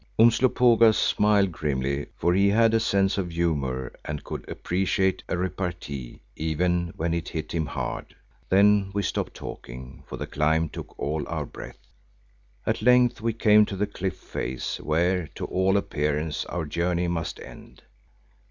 Umslopogaas smiled grimly, for he had a sense of humour and could appreciate a repartee even when it hit him hard. Then we stopped talking for the climb took all our breath. At length we came to the cliff face where, to all appearance, our journey must end.